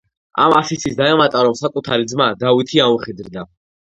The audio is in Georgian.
ამას ისიც დაემატა, რომ საკუᲗარი Ძმა, დავითი, აუმხედრდა.